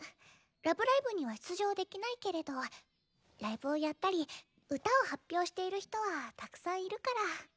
ラブライブには出場できないけれどライブをやったり歌を発表している人はたくさんいるから。